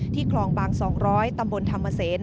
คลองบาง๒๐๐ตำบลธรรมเศษ